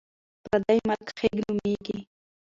پردی ملک خیګ نومېږي.